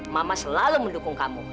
mama selalu mendukung kamu